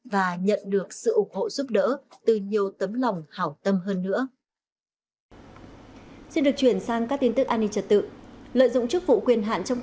và nhận được sự ủng hộ giúp đỡ